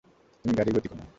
তুমি গাড়ির গতি কমাও।